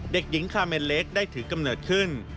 เด็กหญิงคาเมนเล็กได้ถือกำเนิดขึ้น